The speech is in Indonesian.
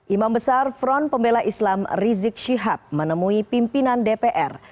imam besar front pembela islam rizik syihab menemui pimpinan dpr